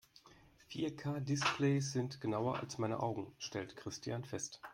Vier-K-Displays sind genauer als meine Augen, stellt Christian fest.